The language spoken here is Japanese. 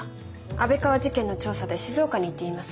安倍川事件の調査で静岡に行っています。